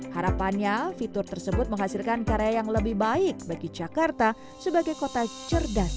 harapannya fitur tersebut menghasilkan karya yang lebih baik bagi jakarta sebagai kota cerdas